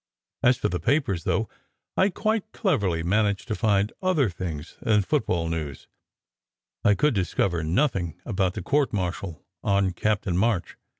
As for the papers, though I quite cleverly managed to find other things than football news, I could discover nothing about the court martial on Captain March.